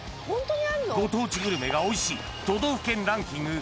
ご当地グルメがおいしい都道府県ランキング。